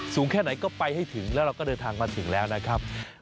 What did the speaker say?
แค่ไหนก็ไปให้ถึงแล้วเราก็เดินทางมาถึงแล้วนะครับ